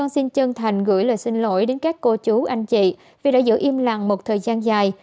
xin lỗi đến các cô chú anh chị vì đã giữ im lặng một thời gian dài